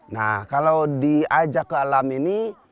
nah kalau diajak ke alam ini